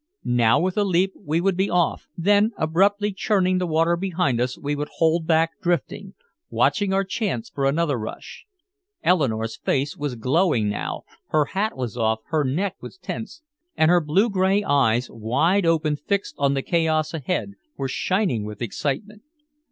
Now with a leap we would be off, then abruptly churning the water behind us we would hold back drifting, watching our chance for another rush. Eleanore's face was glowing now, her hat was off, her neck was tense and her blue gray eyes, wide open, fixed on the chaos ahead, were shining with excitement.